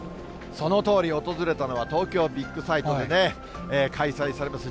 そのとおり、訪れたのは東京ビッグサイトでね、開催されます、